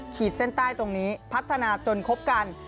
ขีดเส้นใต้ตรงนี้พัฒนาจนคบกัน